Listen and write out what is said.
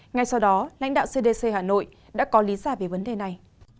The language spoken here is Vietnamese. ngay sau đó lãnh đạo cdc hà nội đã có lý giải về vấn đề này